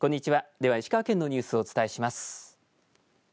では石川県のニュースをお伝えします。